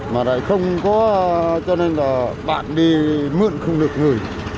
mà lại không có cho nên là bạn đi mượn không được gửi